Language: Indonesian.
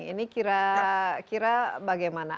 ini kira kira bagaimana